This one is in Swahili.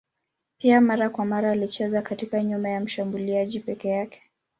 Pia mara kwa mara alicheza katikati nyuma ya mshambuliaji peke yake.